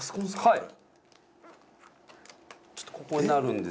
はい。